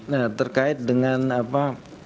nah terkait dengan apa